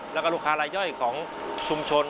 แล้วก็ลูกค้ารายย่อยของชุมชน